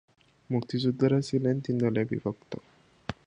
মুক্তিযোদ্ধারা ছিলেন তিনটি দলে বিভক্ত।